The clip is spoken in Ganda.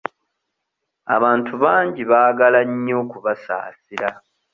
Abantu bangi baagaala nnyo okubasaasira.